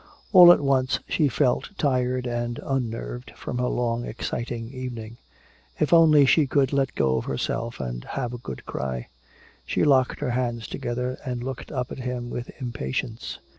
All at once she felt tired and unnerved from her long exciting evening. If only she could let go of herself and have a good cry. She locked her hands together and looked up at him with impatience.